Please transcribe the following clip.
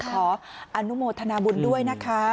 ขออนุโมทนาบุญด้วยนะคะ